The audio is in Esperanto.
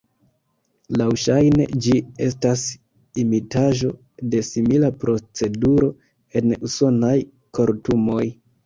Laŭŝajne ĝi estas imitaĵo de simila proceduro en usonaj kortumoj.